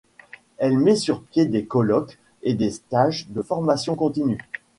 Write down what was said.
Elle met sur pied des colloques et des stages de formations continue.